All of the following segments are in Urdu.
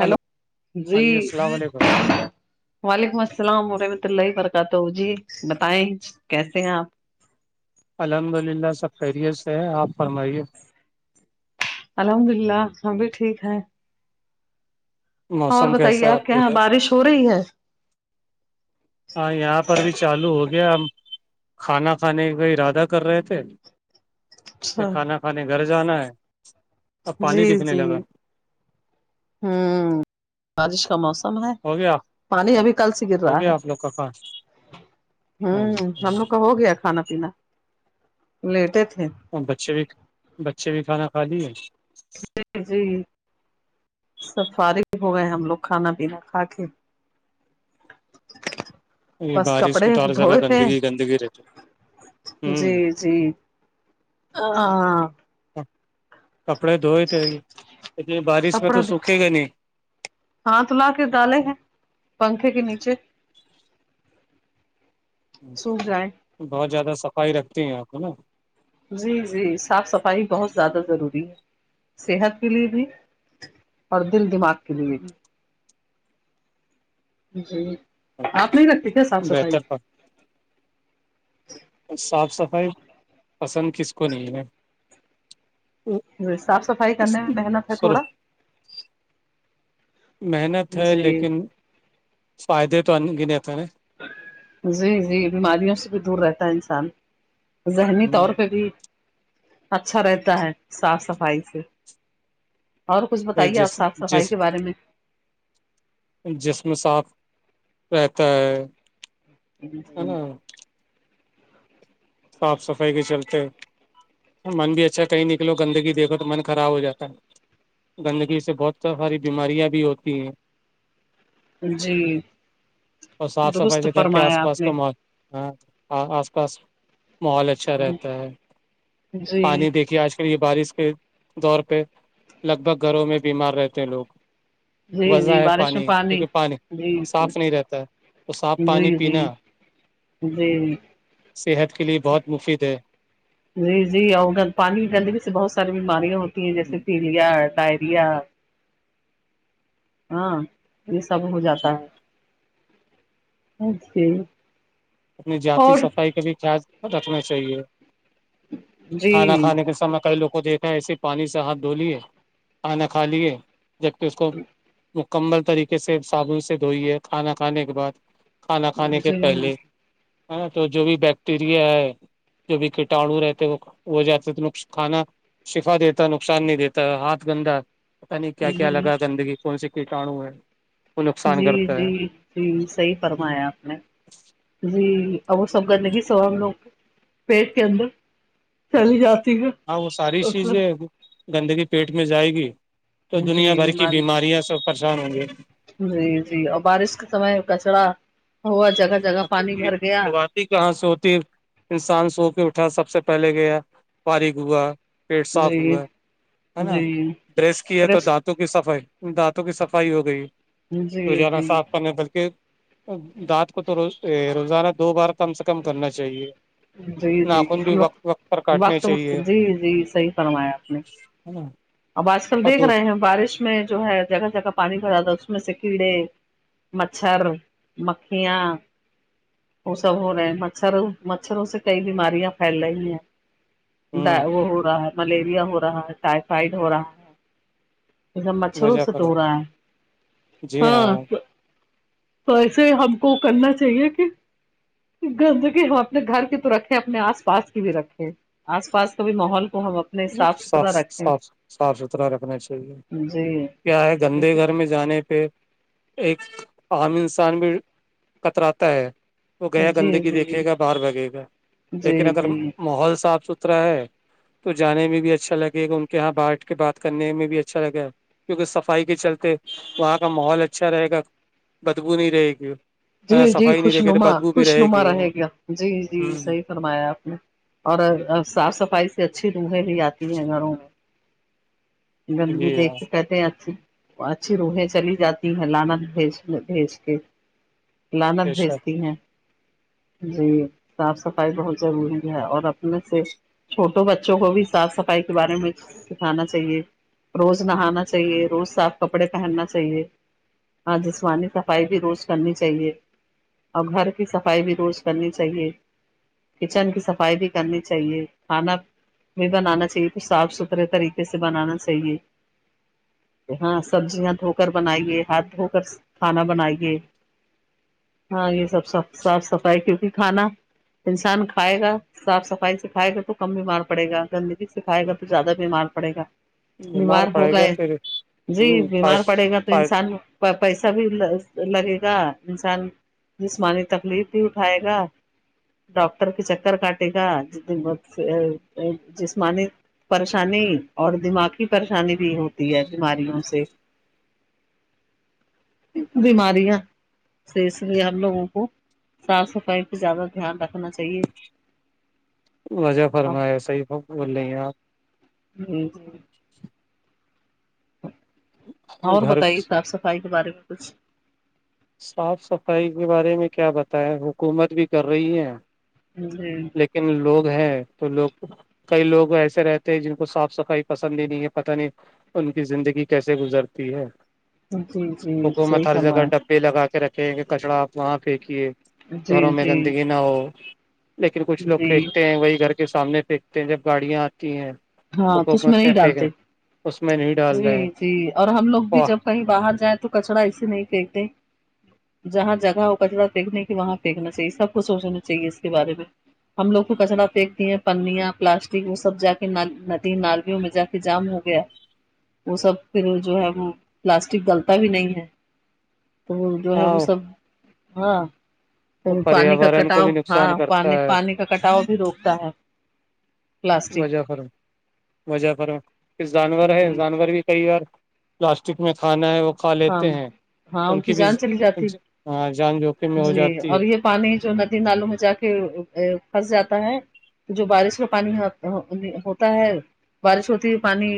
ہلو ہاں جی السلام علیکم وعلیکم السلام ورحمۃ اللہ برکاتہ جی بتائیں کیسے ہیں آپ الحمد للہ سب خیریت سے ہے آپ فرمائیے الحمد للہ سبھی ٹھیک ہے اور موسم کیسا بتائیے ہے آپ کے یہاں ادھر بارش ہو رہی ہے ہاں یہاں پر بھی چالو ہو گیا ہم کھانا کھانے کا ارادہ کر رہے تھےکہ اچھا کھانا کھانے گھر جانا ہے اب پانی جی دکھنے جی لگا ہوں بارش کا موسم ہے ہو گیا پانی ابھی کل سے گر ہو رہا گیا ہے آپ لوگ کا کھانا ہممم ہم لوگ کا ہو گیا کھانا پینا لیٹے تھے اور بچے بھی بچے بھی کھانا کھا لیے جی جی سب فارغ ہو گئے ہم لوگ کھانا پینا کھا کے یہ بس بارش کپڑے میں تو اور زیادہ دھوئے تھے گندگی گندگی رہتی ہے جی جی ہاں کپڑے دھوئے تھے اتنی بارش میں تو سوکھے گا نہیں ہاتھ لا کے ڈالے ہیں پنکھے کے نیچے سوکھ جائیں بہت زیادہ صفائی رکھتی ہیں آپ ہے نا جی جی صاف صفائی بہت زیادہ ضروری ہے صحت کے لیے بھی اور دل دماغ کے لیے می بھی جی آپ نہیں رکھتے کیا صاف صفائی بہتر صاف صفائی پسند کس کو نہیں ہے تو ج صاف صفائی کرنے میں محنت ہے تھوڑا محنت ہے جی لیکن فائدے تو ان گنتھ ہے نا جی جی بیماریوں سے بھی دور رہتا ہے انسان ذہنی طور پہ بھی اچھا رہتا ہے صاف صفائی سے اور کچھ بتائیے آپ جس صاف جس صفائی کے بارے میں جسم صاف رہتا ہے جی ہے جی نا صاف صفائی کے چلتے من بھی اچھا کہیں نکلو گندگییکھو تو من خراب ہو جاتا ہے گندگی سے بہت ساری بیماریاں بھی ہوتی ہیں جی اور صاف صفائی درست کے گھر کے فرمایا آس آپ پاس نے کا ما ہاں آس پاس ماحول اچھا جی رہتا ہے پانی دیکھیے آج کل یہ بارش کے دور پہ لگ بھگ گھروں میں بیمار رہتے ہیں لوگ جی وجہ جی ہے بارش میں پانی کیونکہ پانی جی صاف نہیں جی رہتا ہے تو صاف پانی جی جی پینا جی صحت کے لیے بہت مفید ہے جی جی اور گ پانی گندگی سے بہت ساری بیماریاں ہوتی ہیں جیسے پ د تری ہاں یہ سب ہو جاتا ہے ا اپنی جاتی صفائی کا بھی خیال رکھنا چاہیے جی کھانا کھانے کے سام میں کئی لوگ کو دیکھ ایسے پانی سے ہاتھ دھو لیے کانا کھا لیے جبکہ اس کو مکت کمبل طریقے سے صابن سے دھوئی ہے کھانا کھانے کے بعد کھانا جی کھانے کے جی پہلے ہ تو جو بھی بیکٹیریا ہے جو بھی کٹاڑو رہتے وہ وہ جاتے تو نقص کھانا شفا دیتا ہے نقصان نہیں دیتا ہاتھ گندا یعنی کیا کیا لگا گندگی کون سےی کیٹاانو ہے کو نقصان جی کرتا ہے جی جی صحی فرمایا آپ نے جی ا وہ سب گنے کی سو ہم لوگ پیٹ کے اندر چلی جات س گا ہاں وہ ساری چیزیں گندگی پیٹ میں جائے گی تو دنیا بھر کی بیماریاں سب پریشان ہوں گی جی جی اور بارش کے سمے کچرا ہوا جگہ جگہ اب پانی دیکھیے بھر گیا شروعاتی کہاں سے ہوتی انسان سو کے اٹھا سب سے پہلے گیا پاری گووا پیٹ صاف جی ہوا ہے ہے نا جی بریس کی ہے تو دانت برش دانتوں کی صفائی دانتوں کی صفائی ہو گئی جی تو جانا جی صاف کرنے بلکہ دانت کو تو رو روزانہ دو بار کم سے کم کرنا چاہیے جی ناخن بھی جی وقت وقت پر کاٹنے وقت وقت چاہیے جی جی صحیح فرمایا آپ نے ہ اب آج کل دیکھ رہے ہیں بارش میں جو ہے جگہ جگہ پانی بھراتا ہے اس میں سے کیڑے مچھر مکھیاں وہ سب ہو رہے ہیں مچھر مچھروں سے کئی بیماریاں پھیل رہی ہیں ہ وہ ہو رہا ہے ملیریا ہو رہا ہے ٹائیفائڈ ہو رہا ہے اب مچھروں وجہ سے پر تو رہا ہے ہاں تو ایسے ہم کو کرنا چاہیے کہ گندی ہم اپنے گھر کی تو رکھیں اپنے آس پاس کی بھی رکھیں آس پاس کا بھی ماحول کو ہم اپنے صاف ستھرا رکھیں صاف ستھرا رکھنا چاہیے جی کیا ہے گندے گھر میں جانے پہ ایک عام انسان بھی کتراتا ہے وہ گیا جی گندگی دیکھے جی گا باہر بھاگے گا لیکن جی اگر جی ماحول صاف ستھرا ہے تو جانے میں بھی اچھا لگے گا ان کے یہاں بانٹ کے بات کرنے میں بھی اچھا لگا کیونکہ صفائی کے چلتے وہاں کا ماحول اچھا رہے گا بدبو نہیں رہے گی جی جی صفائی نہیں خوش رہے گی تو نما بدبو بھی خوش نما گی رہے ہ گیا جی جی صحیح فرمایا آپ نے اور صاف صفائی سے اچھی روحیں بھی آتی ہیں گھروں میں گندگی جی ہاں دیکھ کے کہتے ہیں اچھی اچھی روحیں چلی جاتی ہیں لانت بھی بھیس کے لانت بے شک بھیجتی ہیں جی صاف صفائی بہت ضروری ہے اور اپنے سے چھوٹوں بچوں کو بھی صاف صفائی کے بارے میں سکھانا چاہیے روز نہانا چاہیے روز صاف کپڑے پہننا چاہیے ہاں جسمانی صفائی بھی روز کرنی چاہیے اور گھر کی صفائی بھی روز کرنی چاہیے کچن کی صفائی بھی کرنی چاہیے کھانا میں بنانا چاہیے کچھ صاف ستھرے طریقے سے بنانا چاہیے ہاں سبزیاں دھو کر بنائیے ہاتھ دھو کر کھانا بنائیے ہاں یہ سب س صاف صفائی کیونکہ کھانا انسان کھائے گا صاف صفائی سکھائے گا تو کم بیمار پڑے گا گندگی سکھائے گا تو زیادہ بیمار پڑے گا بیمار ہو پڑے گا گئے پھر جی بیمار پڑے گا تو ہ انسان پیسہ بھی لگے گ انسان جسمانی تکلیف بھی اٹھائے گا ڈاکٹر کے چکر کاٹے گا جسمانی پریشانی اور دماغ کی پریشانی بھی ہوتی ہے بیماریوں سے [inaudible] بیمارییاں اس لیے ہم لوگوں کو صاف صفائی پہ زیادہ دھیان رکھنا چاہیے وضہ فرمایا صحیح بول رہی ہیں آپ ہ ج اور گھر بتائیے صاف صفائی کے بارے میں کچھ صاف صفائی کے بارے میں کیا بتائیں حکومت بھی کر رہی ہے جی لیکن لوگ ہیں تو لوگ کئی لوگ ایسے رہتے ہیں جن کو صاف صفائی پسند ہی نہیں ہے پتہ نہیں ان کی زندگی کیسے گزرتی ہے جی جی صحیح حکومت ہر جگہ فرمایں ڈبے لگا کے رکھیں کہ کچڑا آپ وہاں پھینکیے گھروں جی میں جی گندگی نہ ہو لیکن کچھ لوگ جی پھینکتے ہیں وہی گھر کے سامنے پھینکتے ہیں جب گاڑیاں آتی ہیں ہاں تو اس حکومت میں نہیں پھینک ڈالتے رہے اس میں نہیں ڈال جی رہے ہیں جی اور ہم لوگ بھی واہ، جب کہیں باہر جائ تو کچڑا ایے نہیں پھینکتے جہاں جگہ ہو کچرا پھییکنے کی وہاں پھینکنا چاہیے سب کوھ سوچنا چاہیے اس کے بارے میں ہم لوگ کو کچڑا پنکتی ہیں پنیاں پلاسٹک وہ سب جا کے نی ندی نالویوں میں جا کے جام ہو گیا وہ سب پھر جو ہے وہ پلاسٹک گلتا بھی نہیں ہے تو وہ جو ہے وہ سب ہاں ہاں پانی کا پریاورن کو کٹاؤ بھی ہاں نقصان کرتا پانی ہے پانی کا کٹاؤ بھی روکتا ہے پلاسٹک وفر وفر جانور ہے جانور بھی کئی بار پلاسٹک میں کھانا ہے وہ کھا ہاں لیتے ہیں ہاں ان کی بھی جان چلی جاتی جان جوکھم میں ہو جی جاتی اور ہے یہ پانی جو ندی نالوں میں جا کے پھنس جاتا ہے تو جو بارش کا پانی ہوتا ہے بارش ہوتی ہے پانی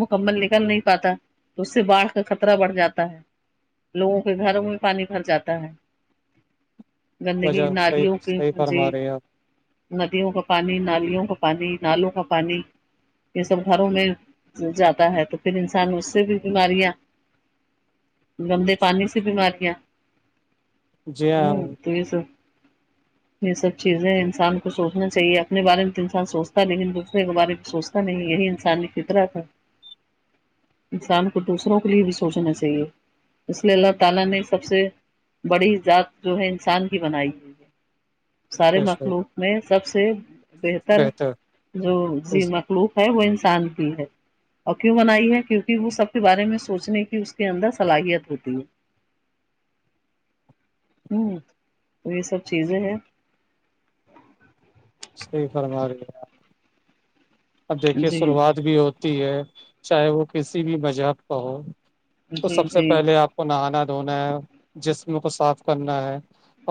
مکمل نکل نہیں پاتا تو اس سے باڑھ کا خ خطرہ بڑھ جاتا ہے لوگوں کے گھروں میں پانی بھر جاتا ہے گندگی وجہ صحیح نادیوں کی صحیح م جی فرما رہے ہیں آپ ندیوں کا پانی نالیوں کا پانی نالوں کا پانی یہ سب گھروں میں جیادا ہے تو پھر انسان اس سے بھی بیماریاں گندے پانی سے بیماریاں ہ تو یہ س ج یہ سب چیزیں انسان کو سوچنا چاہیے اپنے بارے میں تو انسان سوچتا لیکن دوسرے کے بارے میں سوچتا نہیں یہی انسانی فطر تھا ہاں انسان کو دوسروں کے لیے بھی سوچنا چاہیے اس لیے اللہ تعالا نے سب سے بڑی ذات جو ہے انسان کی بنائی ہے سارے مخلوق میں سب سے بہتر جوز مخ ملوق ہے وہ انسان کی ہے اور کیوں بنائی ہے کیونکہ وہ سب کے بارے میں سوچنے اس کے اندر صلاحیت ہوتی ہے ہوں تو یہ سب چیزیں ہیں اسفر مار اب دیکھیے جی شروعات بھی ہوتی ہے چاہے وہ کسی بھی مذہب کا ہو تو جی سب سے جی پہلے آپ کو نہانا دھونا ہے جسم کو صاف کرنا ہے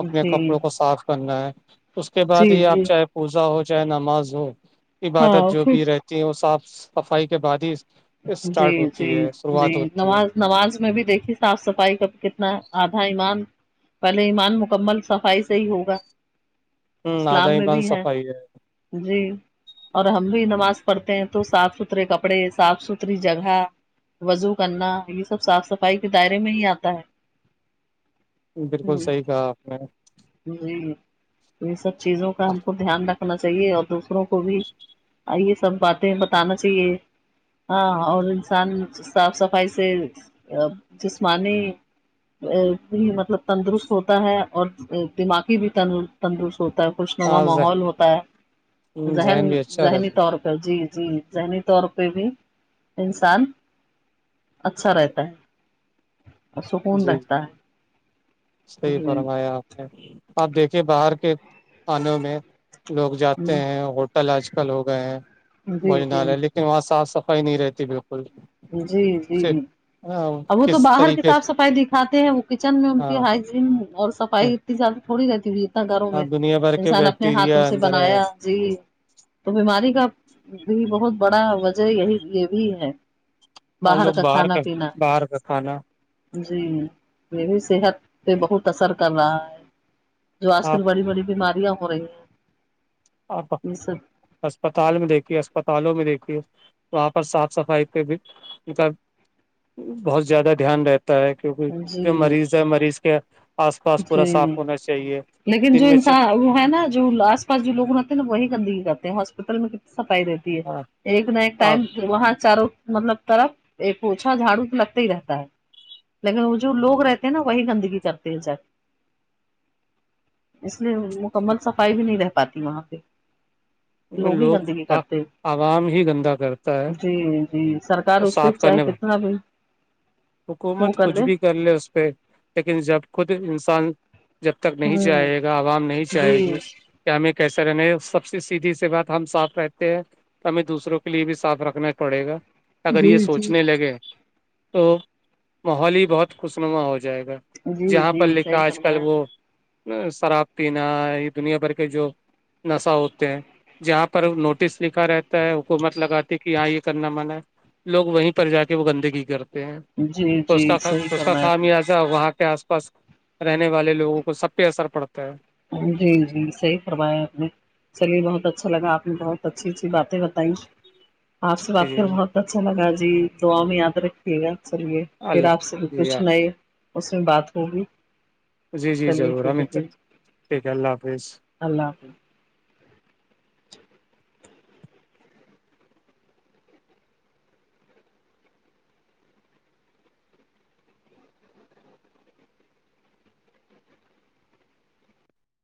اپنے جی کپڑوں کو صاف کرنا ہے اس کے بعد جی ہی آپ جی چاہے پوزا ہو چاہے نماز ہو ہاں عبادت جو پھر بھی رہتی ہوں صاف صفائی کے بعد ہی جی اسٹارٹ جی ہوتی ہے جی شروعات ہوتی ہے نماز نماز میں بھی دیکھی صاف صفائی کا کتنا آدھا ایمان پہلے ایمان مکمل صفائی سے ہی ہوگا ہ آد اسلام ہی میں بان بھی صفائی ہے جی اور ہم بھی نماز پڑھتے ہیں تو صاف ستھرے کپڑے صاف ستھری جگہ وضو کرنا یہ سب صاف صفائی کے دائرے میں ہی آتا ہے بالکل ہ صحیح کہا آپ نے جی یہ سب چیزوں کا ہم کو دھیان رکھنا چاہیے اور دوسروں کو بھی آئیے سب باتیں بتانا چاہیے ہاں اور انسان صاف صفائی سے جسمانی بھی مطلب تندرست ہوتا ہے اور دماغی بھی ت تندرست ہوتا ہے خوشنما ہاں ماحول ہوتا ہے ذہن بھی اچھا ذہنی رہتا طور جی جی ذہنی طور پہ بھی انسان اچھا رہتا ہے اور سکون جیی رہتا ہے صحیح جی فرمایاپ آپ دیکھیے باہر کے کانوں میں لوگ جاتے ہیں تل آج کل ہو گئے ہیں جی بھجنالے جی لیکن وہاں صاف صفائی نہیں رہتی بالکل جی جی صرف ا وہ تو کس باہر کی طریقے صاف سے صفائی د ھاتے ہیں وہ کچن میں ان کی ہائجین اور صفائی اتنی زیادہ تھوڑی رہتی ہوئی گھروں ہاں میں دنیا بھر کے انسان اپنے ہاتھوں بیکٹیریا سے اندر ہے بنایا جی تو بیماری کا بھی بہت بڑا وجہ یہی یہ بھی ہے ک لوگ باہر کا باہر کا خانا جی یہ بھی صحت پہ بہت اثر کر رہا ہے جو آج آپ کل بڑی بڑی بیماریاں ہو رہی ہیں آپ یہ سب اسسپتال میں دیکھیے اسپتالوں میں دیکھیے وہاں پر صاف صفائی پہ بھی کا بہت زیادہ دھیان رہتا ہے کیونکہ جی جو مریض ہے مریض کے آس پاس پورا جی صاف ہونا چاہیے لیکن دن جو میں چیک انسان وہ ہے نا جو آس پاس جووگ رہتے نا وہی گندگی کرتے ہیں ہاسپٹل میں کتنی صفائی رہتی ہے ایک نہ ایک ٹائم وہاں چاروں مطلب طرف ایک اوچھا جھاڑو لگتا ہی رہتا ہے لیکن وہ جو لوگ رہتے ہیں نا وہی گندگی کرتے ہیں اس لیے مکمل صفائی بھی نہیں رہ پاتی وہاں پہ لوگ ہی گندگی کرتے عوام ہی گندا کرتا ہے جی جی سرکار اور اس پہ صاف چاہے کرنے کتنا بھی حکومت کچھ بھی کر لے اس پہ لیکن جب خود انسان جب تک نہیں ہوں چاہے گا عوام نہیں چاہے جی گی کہ ہمیں کیسے رہنا ہے سب سے سیدھی سی بات ہم صاف رہتے ہیں ہمیں دوسروں کے لیے بھی صاف رکھنا پڑے گا اگر جی یہ جی سوچنے لگے تو ماحول ہی بہت خوشنما ہو جائے گا جی جہاں پر جی لکھا صحیح آج کل فرمایا وہ شراب پینا یہ دنیا بھر کے جو نشہ ہوتے ہیں جہاں پر نوٹس لکھا رہتا ہے حکومت لگات کہ ہاں یہ کرنا من ہے لوگ وہیں پر جا کے وہ گندگی کرتے ہیں جی تو اس جی کاا صحیح اس کا فرمایا خا آپ نے آج [unintelligible] ا وہاں کے آس پاس رہنے والے لوگوں کو سب پہ اثر پڑتا ہے جی جی صحی کروایا نے [unintelligible] چلیے بہت اچھا لاپ نے بہت اچھی اچھی بات بتیں آپ سے بات جی کر بہت اچھا لگا جی دعاؤں میں یاد رکھیے گا چلیے پھر آپ سے بھی اللہ جی کچھ نئے اس میں بات ہوگی جی جی چلیے ضرور ا ٹھیک ہے ہمد سے جی ٹھیک ہے اللہ حافظ اللہ حافظ